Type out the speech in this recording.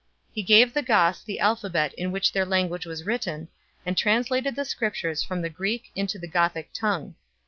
He gave the Goths the alphabet 1 in which their language was written, and translated the Scriptures from the Greek into the Gothic tongue.